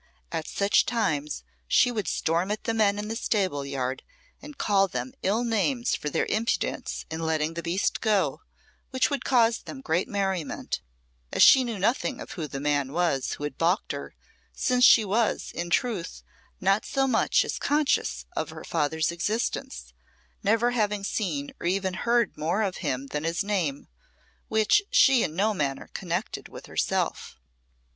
At such times she would storm at the men in the stable yard and call them ill names for their impudence in letting the beast go, which would cause them great merriment, as she knew nothing of who the man was who had balked her, since she was, in truth, not so much as conscious of her father's existence, never having seen or even heard more of him than his name, which she in no manner connected with herself.